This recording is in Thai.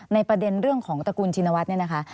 ประเด็นเรื่องของตระกูลชินวัฒน์เนี่ยนะคะ